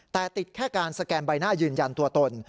แต่ติดแค่การสแกนใบหน้ายืนยันตัวตน